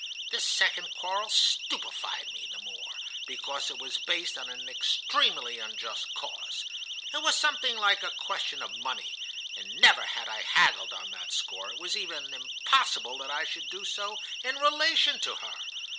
This second quarrel stupefied me the more, because it was based on an extremely unjust cause. It was something like a question of money,—and never had I haggled on that score; it was even impossible that I should do so in relation to her.